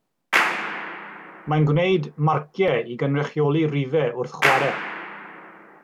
Mae'n gwneud marciau i gynrychioli rhifau wrth chwarae